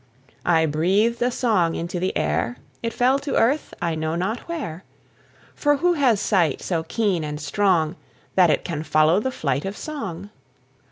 I breathed a song into the air, It fell to earth, I knew not where; For who has sight so keen and strong That it can follow the flight of song?